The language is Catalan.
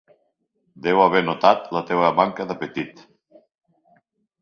Deu haver notat la teva manca d'apetit.